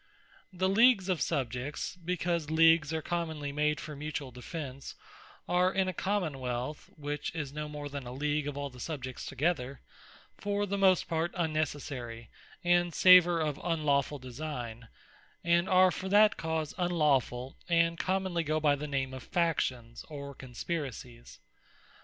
The Leagues of Subjects, (because Leagues are commonly made for mutuall defence,) are in a Common wealth (which is no more than a League of all the Subjects together) for the most part unnecessary, and savour of unlawfull designe; and are for that cause Unlawfull, and go commonly by the name of factions, or Conspiracies.